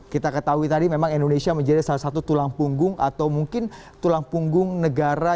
kita ketahui tadi memang indonesia menjadi salah satu tulang punggung atau mungkin tulang punggung negara